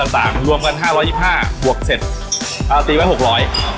ต่างรวมกันห้าร้อยยี่ห้าบวกเสร็จอ่าตีไว้หกร้อย